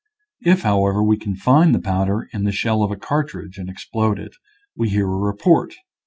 If, however, we confine the powder in the shell of a cartridge and explode it, we hear a report.